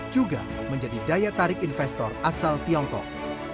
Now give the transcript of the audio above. juga menjadi daya tarik investor asal tiongkok